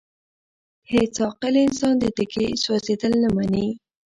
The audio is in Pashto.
هيڅ عاقل انسان د تيږي سوزيدل نه مني!!